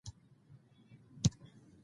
ایا ستاسو څیړنې نوې نه دي؟